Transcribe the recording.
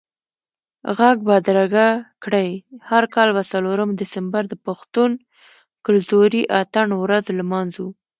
ږغ بدرګه کړئ، هر کال به څلورم دسمبر د پښتون کلتوري اتڼ ورځ لمانځو